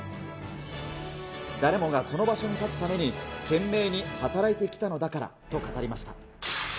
誰もがこの場所に立つために、懸命に働いてきたのだからと語りました。